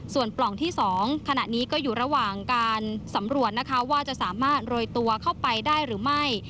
ส่วนปล่องที่๒ขณะนี้ก็อยู่ระหว่างการสำรวจนะคะว่าจะสามารถโรยตัวเข้าไปได้หรือไม่